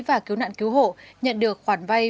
và cứu nạn cứu hộ nhận được khoản vay